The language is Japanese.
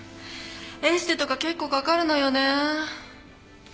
エステとか結構掛かるのよね